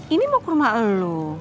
ini mau ke rumah elu